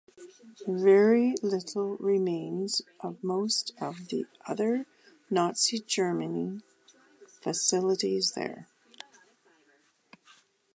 Very little remains of most of the other Nazi German facilities there.